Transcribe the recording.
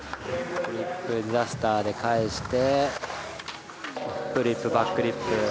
フリップディザスターで返してフリップバックリップ。